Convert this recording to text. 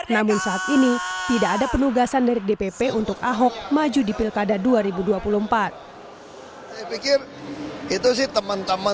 namun saat ini tidak ada penugasan dari dpp untuk ahok maju di pilkada dua ribu dua puluh empat